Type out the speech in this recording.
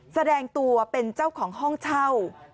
แสดงตัวเป็นเจ้าของห้องเช่า